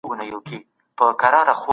د امید ساتنه د بریالیتوب سبب کېږي.